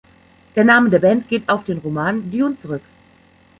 Der Name der Band geht auf den Roman "Dune" zurück.